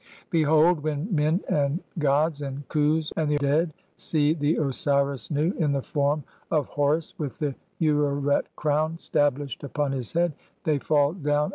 Behold, when men, and gods, and Khus, "and the dead see the Osiris (12) Nu in the form of Horus with "the ureret crown stablished upon his head, they fall down upon 1.